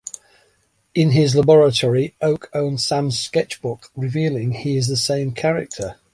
In his laboratory, Oak owns Sam's sketchbook, revealing he is the same character.